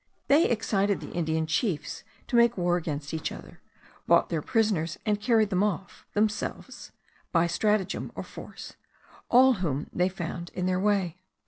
They excited the Indian chiefs to make war against each other, bought their prisoners, and carried off, themselves, by stratagem or force, all whom they found in their way.